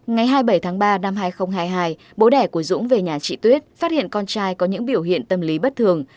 ngày hai mươi bảy tháng ba năm hai nghìn hai mươi hai bố đẻ của dũng về nhà chị tuyết phát hiện con trai có những biểu hiện tâm lý bất thường